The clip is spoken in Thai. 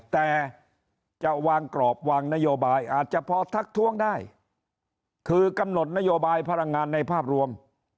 แต่จะวางกรอบวางนโยบายอาจจะพอทักท้วงได้คือกำหนดนโยบายพลังงานในภาพรวม